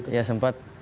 ya memang ya sempat